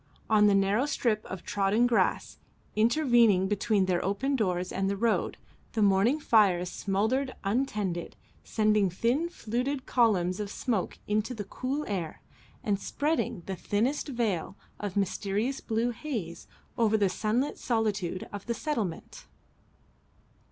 On the narrow strip of trodden grass intervening between their open doors and the road, the morning fires smouldered untended, sending thin fluted columns of smoke into the cool air, and spreading the thinnest veil of mysterious blue haze over the sunlit solitude of the settlement.